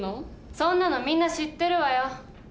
そんなのみんな知ってるわよ。